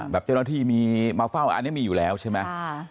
เจ้าหน้าที่มีมาเฝ้าอันนี้มีอยู่แล้วใช่ไหม